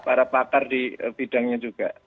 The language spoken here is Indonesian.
para pakar di bidangnya juga